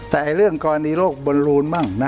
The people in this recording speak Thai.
แต่เรื่องกรณีโลกบลรูนมั่ง